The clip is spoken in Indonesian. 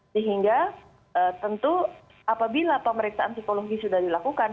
sehingga tentu apabila pemeriksaan psikologi sudah dilakukan